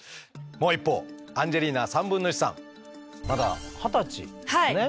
もう一方アンジェリーナ1/3さんまだ二十歳ですね？